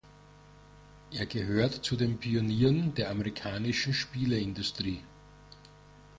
Er gehört zu den Pionieren der amerikanischen Spieleindustrie.